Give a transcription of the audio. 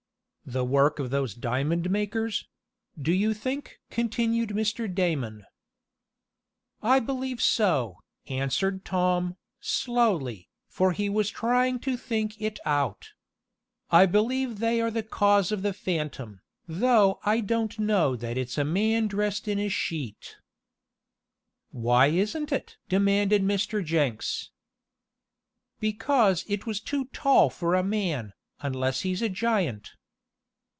"The work of those diamond makers; do you think?" continued Mr. Damon. "I believe so," answered Tom, slowly, for he was trying to think it out. "I believe they are the cause of the phantom, though I don't know that it's a man dressed in a sheet." "Why isn't it?" demanded Mr. Jenks. "Because it was too tall for a man, unless he's a giant."